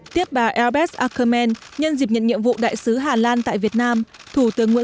tiếp bà albert ackermann nhân dịp nhận nhiệm vụ đại sứ hà lan tại việt nam thủ tướng nguyễn